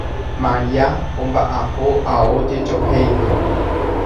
Maria omba'apo ao jejohéipe.